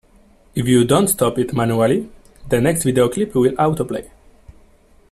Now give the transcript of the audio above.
If you don't stop it manually, the next video clip will autoplay.